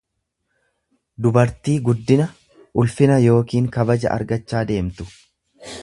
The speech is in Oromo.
dubartii guddina, ulfina yookiin kabaja argachaa deemtu.